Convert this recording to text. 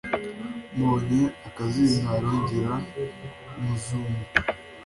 mbonye akazindaro ngira muzunga